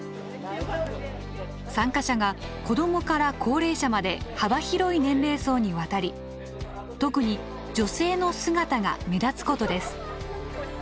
参加者が子どもから高齢者まで幅広い年齢層にわたり特に女性の姿が目立つことです。